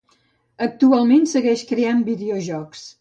Actualment segueix creant videojocs.